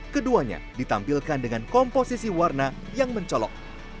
keduanya ditampilkan dengan komposisi warna yang mencolok